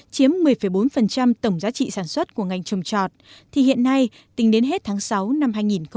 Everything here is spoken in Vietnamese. chiếm một mươi bốn tổng giá trị sản xuất của ngành trồng trọt thì hiện nay tính đến hết tháng sáu năm hai nghìn một mươi chín